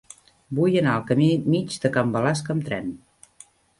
Vull anar al camí Mig de Can Balasc amb tren.